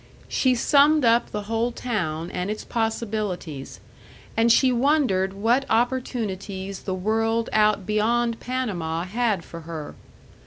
She summed up the whole town and its possibilities; and she wondered what opportunities the world out beyond Panama had for her.